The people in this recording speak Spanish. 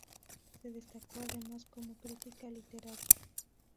Se destacó además como crítica literaria.